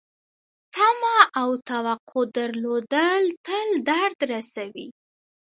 تمه او توقع درلودل تل درد رسوي .